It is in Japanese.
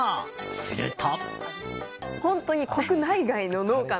すると。